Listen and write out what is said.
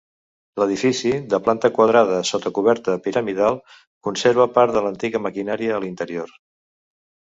L'edifici, de planta quadrada sota coberta piramidal, conserva part de l'antiga maquinària a l'interior.